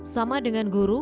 sama dengan guru